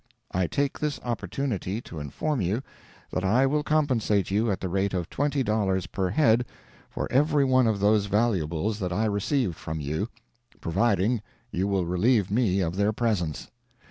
I take this opportunity to inform you that I will compensate you at the rate of $20 per head for every one of those valuables that I received from you, providing you will relieve me of their presence.